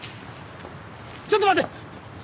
ちょっと待て！